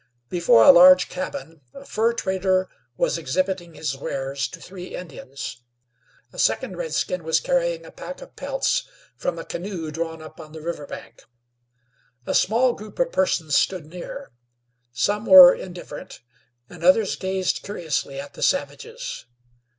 Before a large cabin a fur trader was exhibiting his wares to three Indians. A second redskin was carrying a pack of pelts from a canoe drawn up on the river bank. A small group of persons stood near; some were indifferent, and others gazed curiously at the savages.